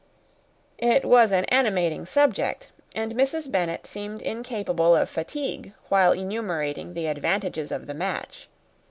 It was an animating subject, and Mrs. Bennet seemed incapable of fatigue while enumerating the advantages of the match.